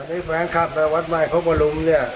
ตอนนี้แฟนคับวัดใหม่พบลุ้มเนี่ย